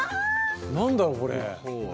何だろうこれ。